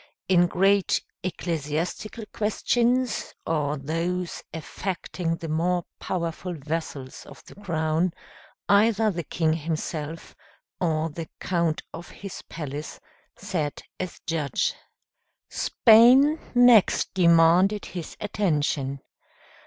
In great ecclesiastical questions, or those affecting the more powerful vassals of the crown, either the king himself, or the count of his palace, sat as judge. Spain next demanded his attention.